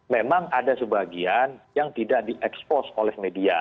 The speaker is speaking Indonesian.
memang ada sebagian yang tidak di expose oleh media